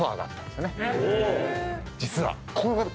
実は。